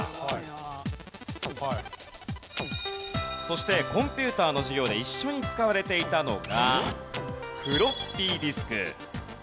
そしてコンピューターの授業で一緒に使われていたのがフロッピーディスク。